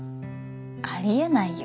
ありえないよ。